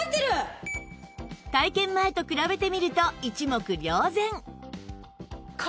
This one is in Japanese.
体験前と比べてみると一目瞭然